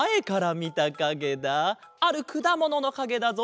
あるくだもののかげだぞ。